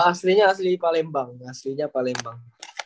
aslinya asli palembang aslinya palembang